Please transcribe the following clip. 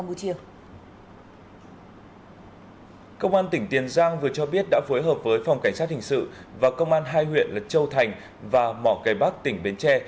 cơ quan cảnh sát điều tra công an tỉnh tiền giang vừa cho biết đã phối hợp với phòng cảnh sát hình sự và công an hai huyện lật châu thành và mỏ cây bắc tỉnh bến tre